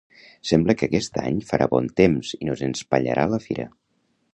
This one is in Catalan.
Sembla que aquest any farà bon temps i no ens espatllarà la fira